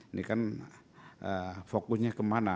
ini kan fokusnya kemana